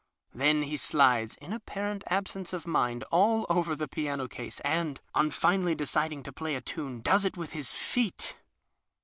Then he slides, in apparent absence of mind, all over the piano case and, on finallj^ deciding to play a tune, does it with his feet.